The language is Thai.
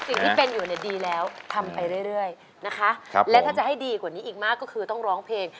สิ่งที่เป็นอยู่เนี่ยดีแล้วทำไปเรื่อยนะคะและถ้าจะให้ดีกว่านี้อีกมากก็คือต้องร้องเพลง